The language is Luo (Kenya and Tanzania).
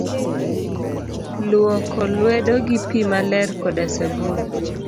Luoko lwedo gi pii maler koda sabun.